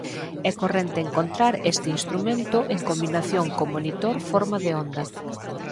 É corrente encontrar este instrumento en combinación co monitor forma de onda.